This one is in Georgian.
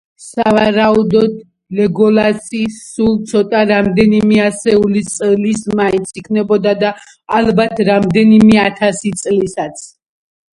სავარაუდოდ, ლეგოლასი სულ ცოტა, რამდენიმე ასეული წლის მაინც იქნებოდა და ალბათ რამდენიმე ათასი წლისაც.